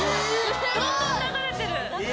⁉どんどん流れてる！